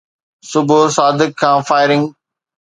صبح صادق کان فائرنگ